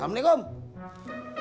yang barang penggantian